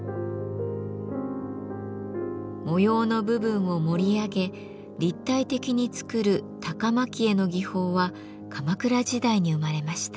模様の部分を盛り上げ立体的に作る「高蒔絵」の技法は鎌倉時代に生まれました。